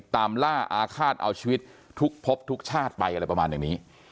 ตามล่าอาฆาตเอาชีวิตทุกพบทุกชาติไปอะไรประมาณอย่างนี้